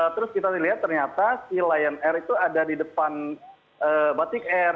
terus kita lihat ternyata si lion air itu ada di depan batik air